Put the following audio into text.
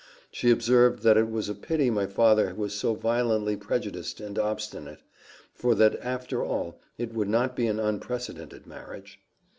She observed that it was a pity my father was so violently prejudiced and obstinate, for that, after all, it would not be an unprecedented marriage.